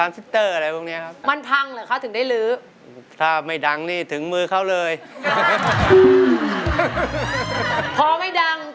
นี่ครับปลักปุ้งตามว่ายของเขาเนี้ย